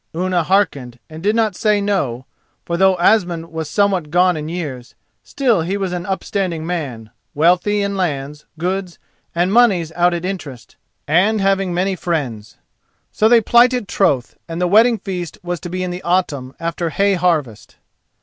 Unna hearkened, and did not say no, for though Asmund was somewhat gone in years, still he was an upstanding man, wealthy in lands, goods, and moneys out at interest, and having many friends. So they plighted troth, and the wedding feast was to be in the autumn after hay harvest.